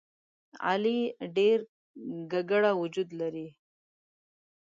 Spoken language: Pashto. علي ډېر ګګړه وجود لري.